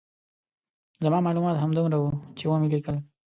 زما معلومات همدومره وو چې ومې لیکل.